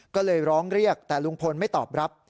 ก็เลยร้องเรียกแต่ลุงพลไม่ตอบรับ